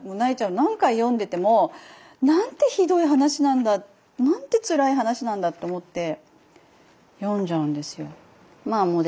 何回読んでてもなんてひどい話なんだなんてつらい話なんだって思って読んじゃうんですよ。